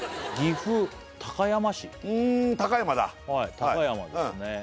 岐阜高山市高山ですね